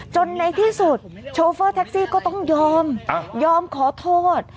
ในที่สุดโชเฟอร์แท็กซี่ก็ต้องยอมยอมขอโทษ